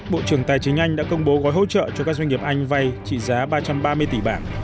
bộ trưởng tài chính anh đã công bố gói hỗ trợ cho các doanh nghiệp anh vay trị giá ba trăm ba mươi tỷ bảng